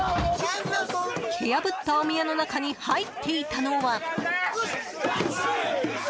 蹴破ったお宮の中に入っていたのは。